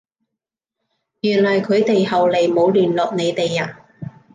原來佢哋後來冇聯絡你哋呀？